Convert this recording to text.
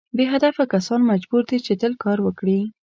بې هدفه کسان مجبور دي چې تل کار وکړي.